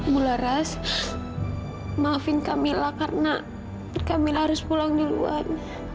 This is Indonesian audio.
mula raz maafin kamila karena kamila harus pulang duluan